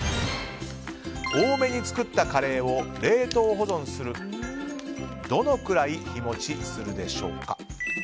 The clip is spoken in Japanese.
多めに作ったカレーを冷凍保存するとどのくらい日持ちするでしょうか。